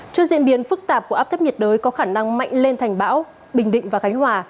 trước diễn biến phức tạp của áp thấp nhiệt đới có khả năng mạnh lên thành bão bình định và khánh hòa